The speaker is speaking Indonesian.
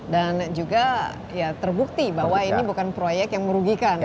dan juga terbukti bahwa ini bukan proyek yang merugikan